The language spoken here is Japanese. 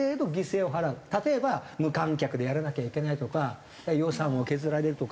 例えば無観客でやらなきゃいけないとか予算を削られるとか。